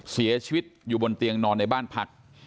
เสียชีวิตอยู่บนเตียงนอนในบ้านพัก